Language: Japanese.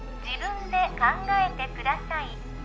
自分で考えてください